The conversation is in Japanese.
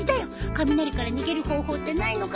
雷から逃げる方法ってないのかな。